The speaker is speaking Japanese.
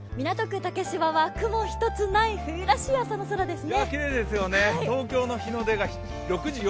竹芝は雲一つない冬らしい朝の空ですね。